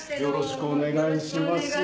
よろしくお願いします。